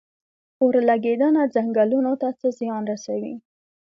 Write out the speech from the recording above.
اورلګیدنه ځنګلونو ته څه زیان رسوي؟